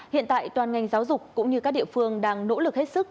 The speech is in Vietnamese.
hiện tại toàn ngành giáo dục cũng như các địa phương đang nỗ lực hết sức